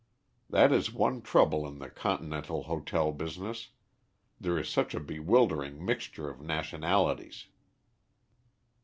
That is one trouble in the continental hotel business; there is such a bewildering mixture of nationalities.